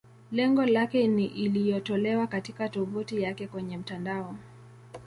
Lengo lake ni iliyotolewa katika tovuti yake kwenye mtandao.